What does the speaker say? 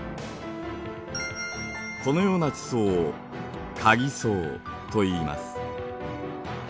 このような地層をかぎ層といいます。